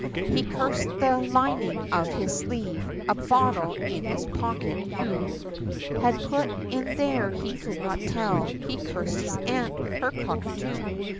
He cursed the lining of his sleeve, a bottle in his pocket who Had put it there he could not tell he cursed his aunt, her cockatoo.